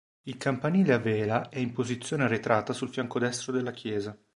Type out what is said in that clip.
Il campanile a vela è in posizione arretrata sul fianco destro della chiesa.